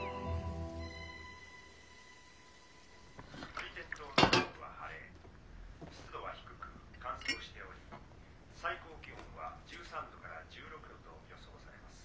ブリテン島の南部は晴れ湿度は低く乾燥しており最高気温は１３度から１６度と予想されます